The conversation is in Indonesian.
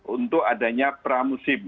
untuk adanya pramusim